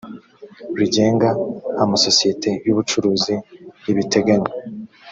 rigenga amasosiyete y ubucuruzi ribiteganya